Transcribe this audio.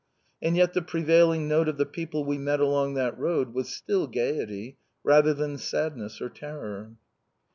And yet the prevailing note of the people we met along that road was still gaiety, rather than sadness or terror.